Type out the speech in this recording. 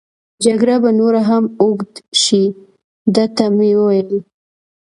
جګړه به نوره هم اوږد شي، ده ته مې وویل.